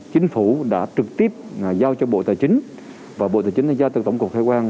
chính phủ đã trực tiếp giao cho bộ tài chính và bộ tài chính đã giao từng tổng cục hải quan